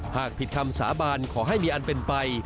หากผิดคำสาบานขอให้มีอันเป็นไป